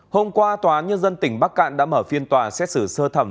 hôm qua tòa nhân dân tỉnh bắc cạn đã mở phiên tòa xét xử sơ thẩm